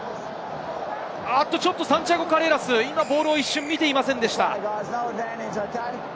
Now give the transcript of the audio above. ちょっとサンティアゴ・カレーラス、ボールを一瞬見ていませんでした。